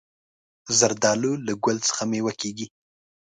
زردالو له ګل څخه مېوه کېږي.